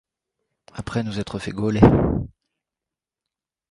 Après nous être fait gauler.